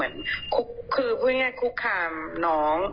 คือเบื้อง่ายคูครามน้อง